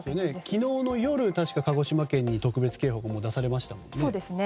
昨日の夜、確か鹿児島県に特別警報が出されましたもんね。